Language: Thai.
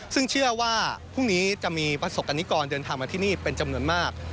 ซึ่งเชื่อว่าพรุ่งนี้จะมีประสบกรณิกรเดินทางมาที่นี่เป็นจำนวนมาก